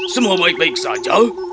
semua baik baik saja